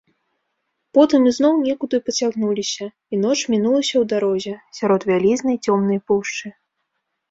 Потым ізноў некуды пацягнуліся, і ноч мінулася ў дарозе, сярод вялізнай цёмнай пушчы.